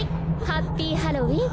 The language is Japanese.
ハッピーハロウィン！